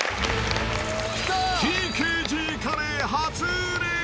ＴＫＧカレー、初売れ！